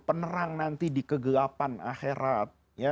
penerang nanti di kegelapan akhirat